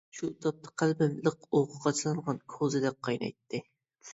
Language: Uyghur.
شۇ تاپتا قەلبىم لىق ئوغا قاچىلانغان كوزىدەك قاينايتتى.